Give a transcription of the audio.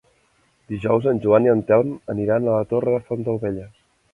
Dijous en Joan i en Telm aniran a la Torre de Fontaubella.